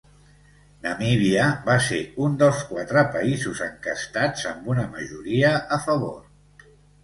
Namíbia va ser un dels quatre països enquestats amb una majoria a favor.